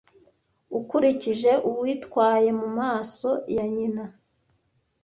ukurikije uwitwaye mumaso ya nyina